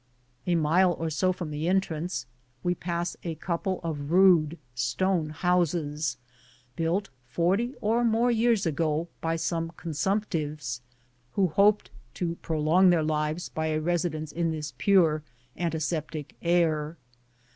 A mile or so from the entrance we pass a couple of rude stone houses, built forty or more years 246 IN MAMMOTH CAVE ago by some consumptives, who hoped to pro long their lives by a residence in this pure, antiseptic air.